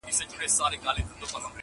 په زړه سخت ظالمه یاره سلامي ولاړه ومه!!